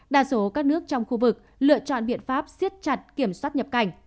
đa số các nước trong khu vực lựa chọn biện pháp siết chặt kiểm soát nhập cảnh